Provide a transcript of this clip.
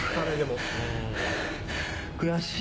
悔しい。